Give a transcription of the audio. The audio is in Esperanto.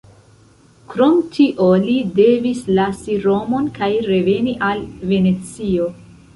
Krom tio, li devis lasi Romon kaj reveni al Venecio.